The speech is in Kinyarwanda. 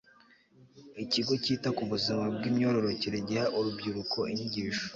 ikigo cyita ku buzima bw imyororokere giha urubyiruko inyigisho